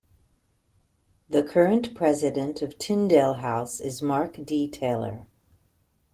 The current president of Tyndale House is Mark D. Taylor.